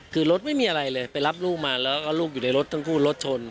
คือรถไม่มีอะไรเลยไปรับลูกมาแล้วก็ลูกอยู่ในรถทั้งคู่รถชน